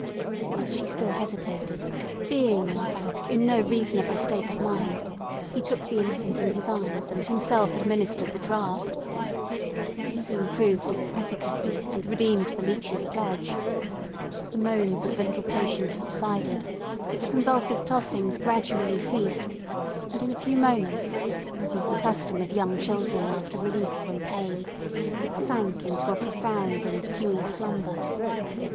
As she still hesitated, being, in fact, in no reasonable state of mind, he took the infant in his arms, and himself administered the draught. It soon proved its efficacy, and redeemed the leech's pledge. The moans of the little patient subsided; its convulsive tossings gradually ceased; and in a few moments, as is the custom of young children after relief from pain, it sank into a profound and dewy slumber.